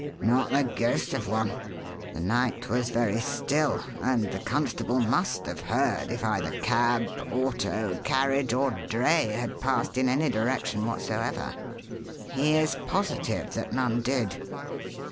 "Not the ghost of one. The night was very still, and the constable must have heard if either cab, auto, carriage, or dray had passed in any direction whatsoever. He is positive that none did.